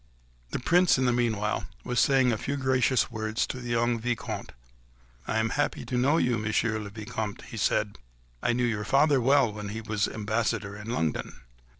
The Prince in the meanwhile was saying a few gracious words to the young Vicomte. "I am happy to know you, Monsieur le Vicomte," he said. "I knew your father well when he was ambassador in London."